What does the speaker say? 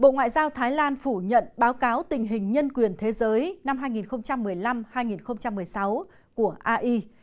bộ ngoại giao thái lan phủ nhận báo cáo tình hình nhân quyền thế giới năm hai nghìn một mươi năm hai nghìn một mươi sáu của ai